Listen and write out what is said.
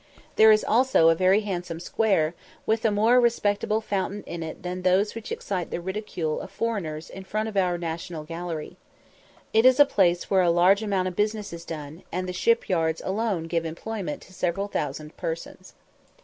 There is also a very handsome square, with a more respectable fountain in it than those which excite the ridicule of foreigners in front of our National Gallery. It is a place where a large amount of business is done, and the shipyards alone give employment to several thousand persons.